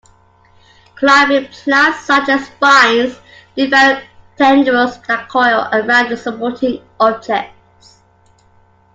Climbing plants, such as vines, develop tendrils that coil around supporting objects.